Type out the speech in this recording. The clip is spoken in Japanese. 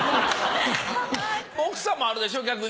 奥さんもあるでしょう？